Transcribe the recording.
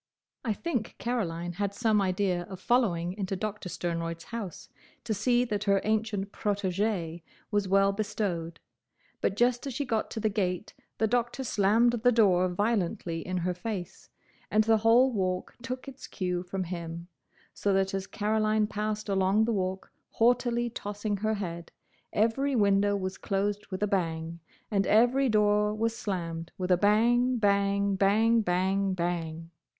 I think Caroline had some idea of following into Doctor Sternroyd's house to see that her ancient protégé was well bestowed, but just as she got to the gate the Doctor slammed the door violently in her face; and the whole Walk took its cue from him, so that as Caroline passed along the Walk haughtily tossing her head, every window was closed with a bang, and every door was slammed with a bang, bang, bang, bang, bang!